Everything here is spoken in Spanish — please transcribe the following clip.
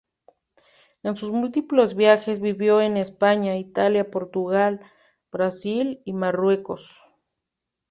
En sus múltiples viajes vivió en España, Italia, Portugal, Brasil y Marruecos.